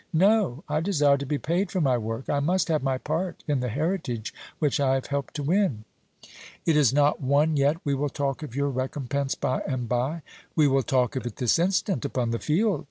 No; I desire to be paid for my work. I must have my part in the heritage which I have help to win." "It is not won yet. We will talk of your recompense by and by." "We will talk of it this instant upon the field.